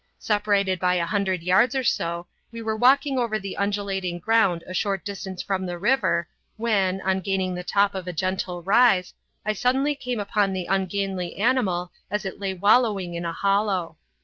Separated by about a hundred yards or so, we were walking over the undulating ground a short distance from the river, when, on gaining the top of a gentle rise, I suddenly came upon the ungainly animal as it lay wallowing in a hollow.